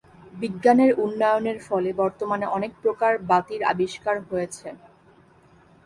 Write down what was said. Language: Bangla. বিজ্ঞানের উন্নয়নের ফলে বর্তমানে অনেক প্রকার বাতির আবিষ্কার হয়েছে।